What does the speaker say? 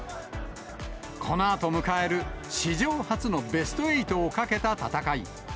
このあと迎える史上初のベスト８を懸けた戦い。